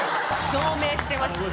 証明してますね。